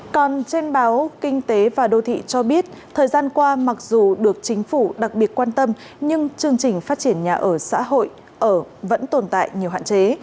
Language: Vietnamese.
còn trên báo kinh tế và đô thị cho biết thời gian qua mặc dù được chính phủ đặc biệt quan tâm nhưng chương trình phát triển nhà ở xã hội ở vẫn tồn tại nhiều hạn chế